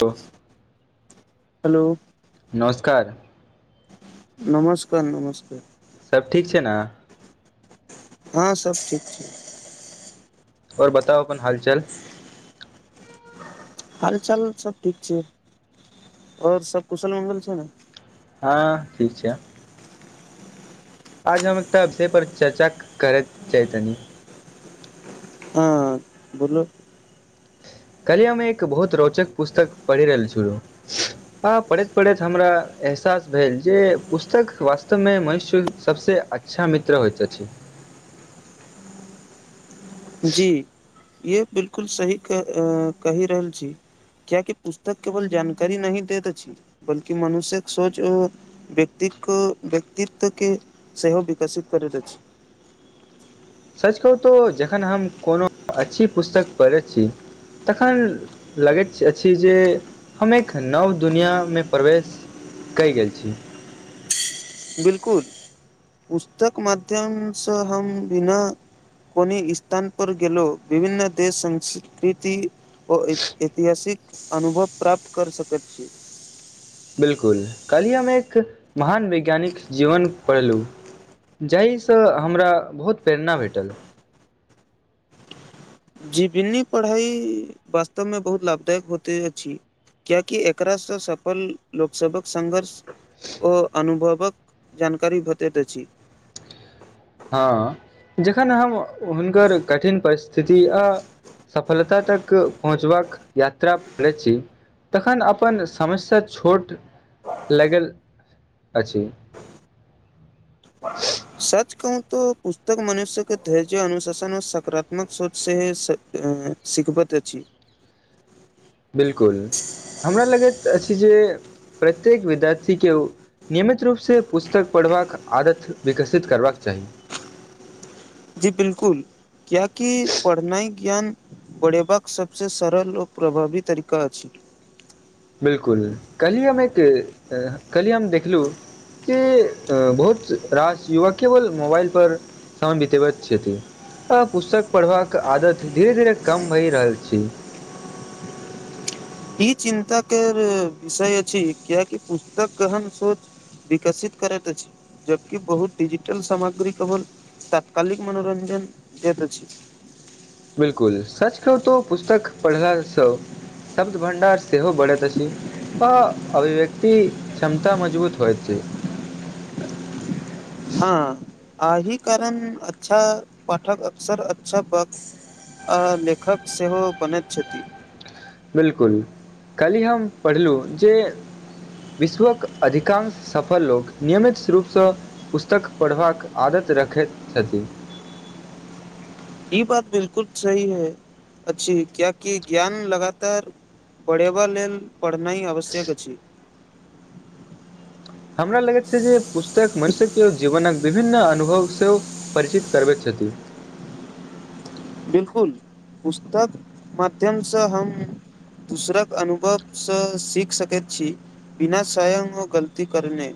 सभ हेलो नमस्कार नमस्कार नमस्कार सभ ठीक छै ने हँ सब ठीक छै आओर बताउ अपन हालचाल हाल चाल सभ ठीक छै आओर सभ कुशल मंगल छै ने हँ ठीक छै आज हम एकटा विषय पर चर्चा करैय चाहयतानी हँ बोलु कल्हि हम्मे एक बहुत रोचक पुस्तक पढ़ि रहल छलौं आ पढ़ैत-पढ़ैत हमरा एहसास भेल जे पुस्तक वास्तवमे मनुष्य सभसँ अच्छा मित्र होइत अछि जी ये बिलकुल सही कहि रहल छी कियाकि पुस्तक केवल जानकारी नहि देैत अछि बल्कि मनुष्यक सोंच ओ व्यक्ति क व्यक्तित्व केँ सेहो विकसित करैत अछि सच कहू तऽ जखन हम कोनो अच्छी पुस्तक पढ़ैत छी तखन लगैत अछि जे हम एक नव दुनियाँमे प्रवेश कय गेल छी बिलकुल पुस्तक माध्यम सँ हम बिना कोनो स्थान पर गेलो विभिन्न देश संस्कृति ओ ऐतिहासिक अनुभव प्राप्त कर सकैत छी बिल्कुल कल्हि हम एक महान वैज्ञानिक जीवन पढ़लहुँ जाहिसँ हमरा बहुत प्रेरणा भेटल जी बिन्नी पढ़ाइ वास्तवमे बहुत लाभदायक होते अच्छी क्या कि एकरा स सफल लोकसभक संघर्ष ओ अनुभवक जानकारी भेटैत अछि हँ जखन हम हुनकर कठिन परिस्थिति आ सफलता तक पहुँचबाक यात्रा करै छी तखन अपन समस्या छोट लगल अछि [inaudible] सच कहू तऽ पुस्तक मनुष्य के धैर्य अनुशासन आ सकारात्मक सोच से ह सिखबत अछी बिलकुल हमरा लगैत अछि जे प्रत्येक विद्यार्थी के नियमित रूपसँ पुस्तक पढ़बाक आदत विकसित करबाक चाही जी विज्ञान पढ़ेबाक सभसँ सरल और प्रभावी तरीका आछि बिलकुल कली हम एक कली हम देखलहु जे बहुत रास युवक केवल मोबाइल पर समय बितेब छथि आ पुस्तक पढ़बाक आदत धीरे धीरे कम भहि रहल छै ई चिन्ता कर विषय अछी कियाकि पुस्तक कहन सोच विकसित करैत अछि जबकि बहुत डिजिटल सामग्री केवल तत्कालिक मनोरञ्जन दैत अछि बिलकुल सच कहू त पुस्तक पढ़लासँ शब्द भं्डार सेहो बढ़ैत अछि आ अभिव्यक्ति क्षमता मजबूत होइ छै हँ अही कारण अच्छा पठक अक्सर अच्छा ब आ लेखक सेहो बनैत छथि बिलकुल कलिह हम पढ़लहुँ जे विश्वक अधिकांश सफल लोक नियमित रूपसँ पुस्तक पढ़बाक आदत रखैत छथि ई बात बिलकुल सही है अच्छी क्यकि ज्ञान लगातार पढ़ेब लेल पढ़ना ह आवश्यक अछि हमरा लगै छै जे पुस्तक मनुष्य केओ जीवन विभिन्न अनुभव सेहो परिचित करबैत छथि बिलकुल पुस्तक माध्यम सँ हम दूसरक अनुभव सँ सीख सकैत छी बिना सयं गलती करने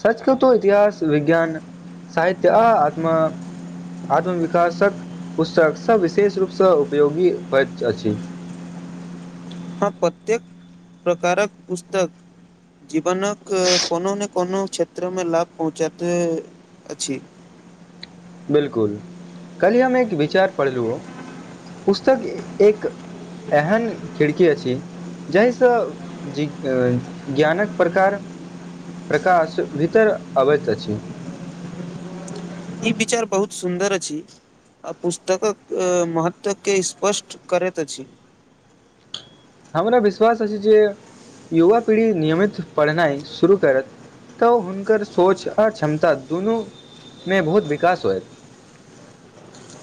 सच कहू तो इतिहास विज्ञान साहित्य आ आत्म आत्मविकासक पुस्तक सभ विशेष रूपसँ उपयोगी होइत अछि [inaudible] हँ प्रत्येक प्रकारक पुस्तक जीवनक कोनो ने कोनो क्षेत्र मे लाभ पहुँचइत अछि बिलकुल कलहि हम एक विचार पढ़ लू हो पुस्तक एक एहन खिड़की अछि जाहिसँ जि ज्ञानक प्रकार प्रकाश भीतर अबैत अछि ई विचार बहुत सुन्दर अछि आ पुस्तकक महत्वके स्पष्ट करैत अछि हमरा विश्वास अछि जे युवा पीढ़ी नियमित पढ़नाइ शुरू करत तऽ हुनकर सोच आ क्षमता दुनू में बहुत विकास होएत [inaudible]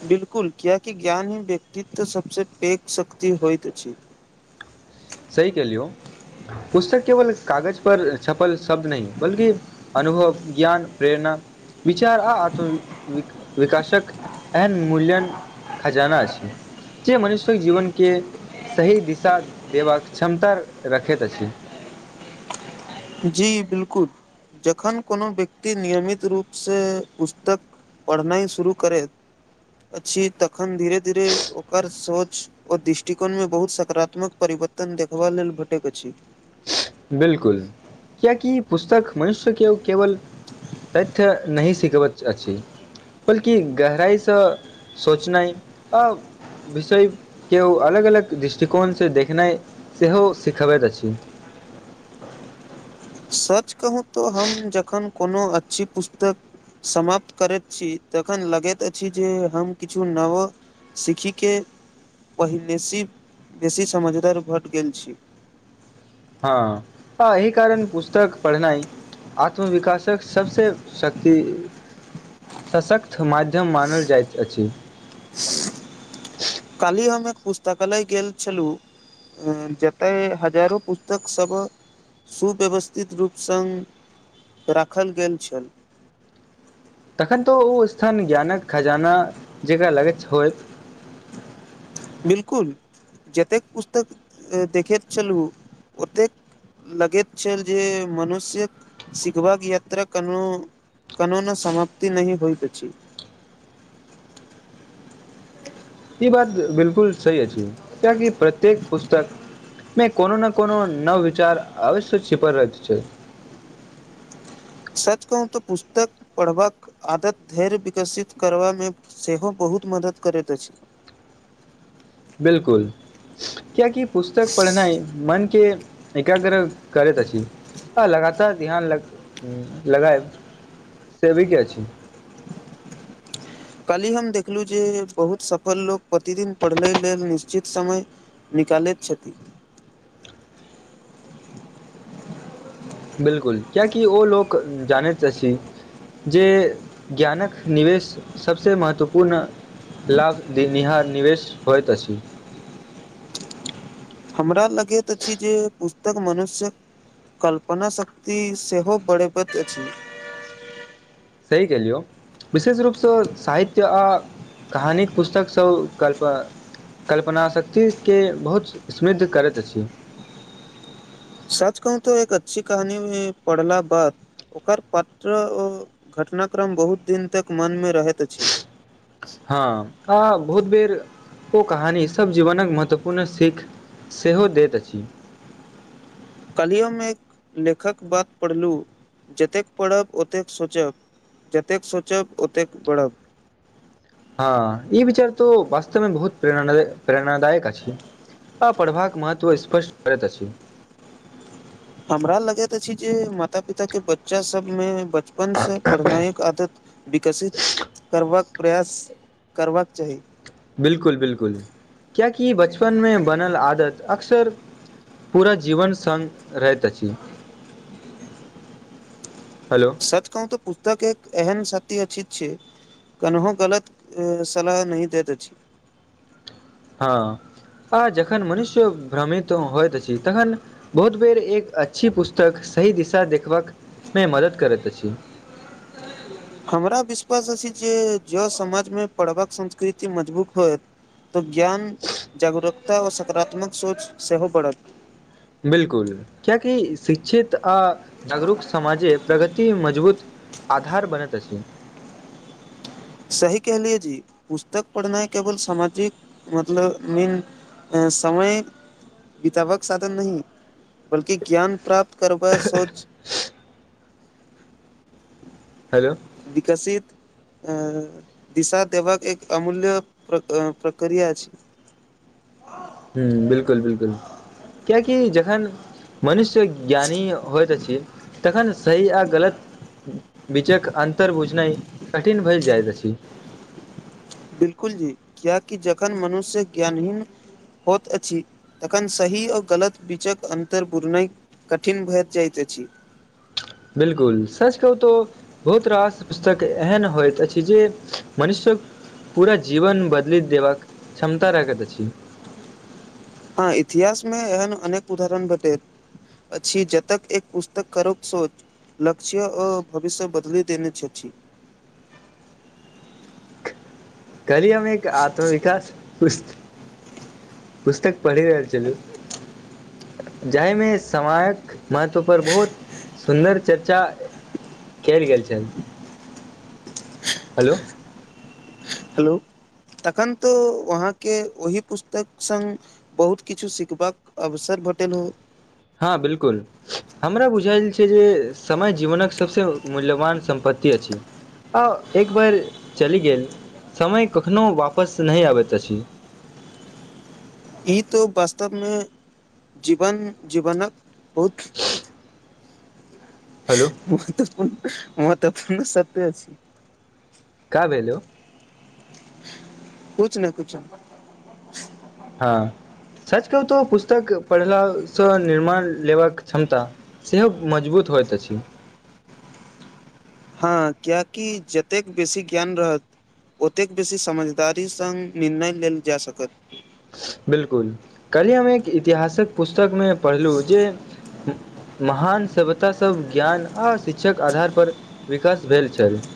बिलकुल किएकि ज्ञानी व्यक्तित्व सबसे पैघ शक्ति होइत अछि सही कलियौ पुस्तक केवल कागज पर छपल शब्द नहि बल्कि अनुभव ज्ञान प्रेरणा विचार आ आत्म विकासक एहन मूल्यन खजाना छै जे मनुष्य जीवन केँ सही दिशा देबाक क्षमता रखैत अछि जी बिलकुल जखन कोनो व्यक्ति नियमित रूप से पुस्तक पढ़नाइ शुरू करैत अछि तखन धीरे धीरे ओकर सोच आ दृष्टिकोण में बहुत सकारात्मक परि बततन देखबा लेल भेटक अछि बिलकुल क्याकि पुस्तक मनुष्य के केवल तथ्य नहि सिखबैत अछि बल्कि गहराइसँ सोचनाइ आ विषय केओ अलग अलग दृष्टिकोणसँ देखनाइ सेहो सिखबैत अछि सच कहूँ तऽ हम जखन कोनो अच्छी पुस्तक समाप्त करैत छी तखन लगैत अछि जे हम किछु नवो सीख कऽ पहिनेसँ बेसी समझदार भट गेल छी हँ अही कारण पुस्तक पढ़नाइ आत्मविकाासक सभसँ शक्ति सशक्त माध्यम मानल जाइत अछि काली हम एक पुस्तकालय गेल छलहु जतय हजारो पुस्तक सब सुव्यवस्थित रूप सङ्ग राखल गेल छल तखन तऽ ओ स्थान ज्ञानक खजाना जकरा लगैत होइत [inaudible] बिल्कुल जतेक पुस्तक देखैत छलू ओतेक लगेैत छै जे मनुष्य सीखबाक यात्रा कनो कनो ने समाप्ति नहिं होईत अछि [inaudible] ई बात बिलकुल सही अछि किया की प्रत्येक पुस्तक मे कोनो न कोनो नव विचार अवश्य छिपल रहेत छै [inaudible] सच कहू त पुस्तक पढ़बाक आदत धैर्य विकसित करबा मे सेहो बहुत बहुत मदद करैत अछि [inaudible] बिलकुल किया की पुस्तक पढ़नाइ मन के एकाग्र करैत अछि आ लगातार ध्यान ल लगायब सेब कि आछि कालहि हम देखलहुँ जे बहुत सफल लोक प्रतिदिन पढ़ले लेल निश्चित समय निकलेत छथि [inaudible] बिलकुल किया की ओ लोक जानित अछि जे ज्ञानक निवेश सबसे महत्वपूर्ण लाभ देनिहार निवेश होइत अछि हमरा लगैत अछि जे पुस तक मनुष्य्यक कल्पना शक्ति सेहो बढ़बैत अछि सही केलियौ विशेष रूपसँ साहित्य आ कहानीक पुस्तकसभ कल्प कल्पनाशक्तिके बहुत समृद्ध करैत अछि सच कहू त एक अच्छी कहानी में पढ़ला बाद ओकर पात्र ओ घटनाक्रम बहुत दिन तक मनमे रहैत अछि हँ आ बहुत बेर ओ कहानी सभ जीवनक महत्वपूर्ण सीख सेहो दैत अछि। [inaudible] क्लहिमे एक लेखक बात पढ़लहुँ जतेक पढ़ब ओतेक सोचब जतेक सोचब ओतेक बढ़ब हँ ई विचार तो वास्तवमे बहुत प्र प्रेरणादायक अछि आ पढ़बाका महत्व स््पष्ट करैत छै हमरा लगैत अछि जे माता पिता के बच्चा सबमे ब बचपन से पढ़नायक आदत विकसित करबाक प्रयास करबाक चाही बिलकुल बिलकुल क्या कि बचपन में बनल आदत अक्सर पूरा जीवन सङ्ग रहैत अछि हेलो सच कहू तऽ पुस्तक एक एहन सत्य अ अछि छै कन्हो गलत ए सलाह न देत अछि । [inaudible] हँ आ जखन मनुष्य भ्रमित होइत अछि तखन बहुत बेर एक अच्छी पुस्तक सही दिशा देखबाक मे मदद करैत अछि हमरा विश्वास अछि जे जँ समाजमे पढ़बाक संस्कृति मजबूत होयत तऽ ज्ञान जागरूकता आ सकारात्मक सोच सेहो बढ़त बिलकुल क्याकि शिक्षित आ जागरूक समाजे प्रगति मजबूत आधार बनत अछि सही कहलियए जी पुस्तक पढ़नाय केवल सामाजिक मतलब मेन ऐं समय वितबक साधन न बल्कि ज्ञान प्राप्त करब सोच । [inaudible] विकसित अ दिशा देबाकबाक एक अमूल्य प्र प्रक्रिया अछि ह बिलकुल बिलकुल कियकि जखन मनुष्य ज्ञानी होइत अछि तखन सही अ गलत बीचक अन्तर बुझनाइ कठिन भए जाइत अछि। [inaudible] बिलकुल जी कियाकि जखन मनुष्य ज्ञानहीन होइत अछि तखन सही आ गलत बीचक अन्तर बुरनाइ कठिन भऽ जाइत अछि बिलकुल सच कहु तो बहुत रास पुस्तक एहन होइत अछि जे मनुष्य पूरा जीवन बदली देबाक क्षमता रखैत अछि हँ इतिहास मे एहन अनेक उदाहरण भेटैत अछी जतक एक पुस्तक करो सोच लक्ष्य आ भविष्य बदली देने छथि छी । [inaudible] कली हम एक आत्मविकास पुस्त पुस्तक पढ़ि रहल चलू जाहिमे समायक महत्व पर बहुत सुन्दर चर्चा केल गेले छल हेलो हेलो तखन तो वो आहाँ के ओहि पुस्तक संग बहुत किछु सीखबाक अवसर बोटेेलू हँ बिल्कुल हमरा बुझायल छै जे समय जीवनके सभसँ मूल्यवान सम्पत्ति अछि आ एक बेर चलि गेल समय कखनहु वापस नहि आबैत अछि ई तऽ वास्तवमे जीवन जीवनक बहुत हेलो महत्वपूर्ण महत्वपूर्ण सत्य अछि का भेलौ कुछ ने कुछ हँ सच कहु तो पुस्तक पढ़ला सँ निर्माण लेबाक क्षमता सेहो मजबूत होयत अछि हँ किएकि जतेक बेसी ज्ञान रहत ओतेक बेसी समझदारी सङ्ग निर्णय लेल जा सकत बिलकुल कल्हि हम एक इतिहासक पुस्तक मे पढ़लहुँ जे [inaudible] महान सभ्यतासभ ज्ञान आओ शिक्षक आधारपर विकास भेल छल [inaudible]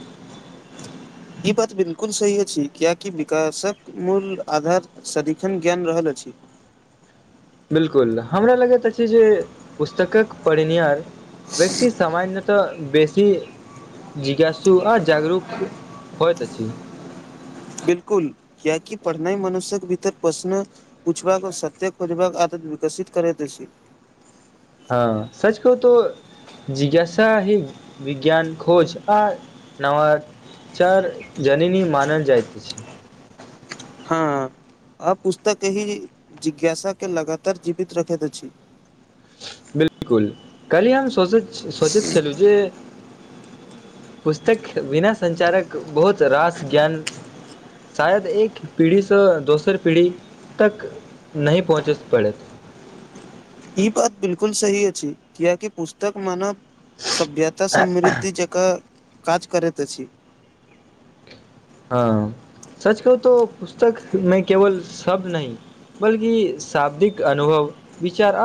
ई बात बिलकुल सही अछि कियाकि विकासक मूल आधार सदिखन ज्ञान रहल अछि बिलकुल हमरा लगैत अछि जे पुस्तकक पढ़निहार व्यक्ति सामान्यतः बेसी जिज्ञासु आ जागरूक होइत अछि बिलकुल किएकी पढ़नाइ मनुष्य्यकके भीतर प्रश्न पूछबाक सत्य खोजबाक आदत विकसित करैत अछि हँ सच कहु तो जिज्ञासा ही विज्ञान खोज आ नवा चार जननी मानल जाइतइत अछि हँ आ पुस्तक एहि जिज्ञासाके लगातार जीवित रखैत अछि बिलकुल कल्हि हम सोचैत सोचैत छलहु जे पुस्तक बिना सञ्चारक बहुत रास ज्ञान शायद एक पीढ़ी सँ दोसर पीढ़ी तक नहि पहुँचस पड़त ई बात बिलकुल सही अछि किएकि पुस्तक मानव सभभ्यता समृद्धि जेका काज करैत अछि हँ सच कहु तो पुस्तक नहि केवल शब्द नहि बल्कि शाब्दिक अनुभव विचार